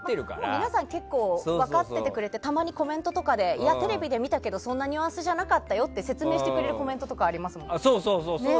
皆さん、結構分かっててくれてたまにコメントとかでテレビで見たけどそんなニュアンスじゃなかったよって説明してくれるコメントとかありますもんね。